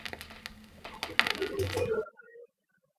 而后在乾隆四十三年在士绅王拱照主导下又再次重修。